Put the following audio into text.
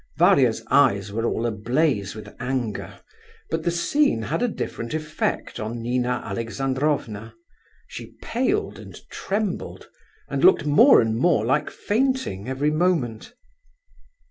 Varia's eyes were all ablaze with anger; but the scene had a different effect on Nina Alexandrovna. She paled and trembled, and looked more and more like fainting every moment.